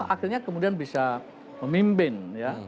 akhirnya kemudian bisa memimpin ya